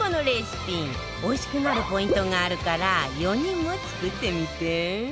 おいしくなるポイントがあるから４人も作ってみて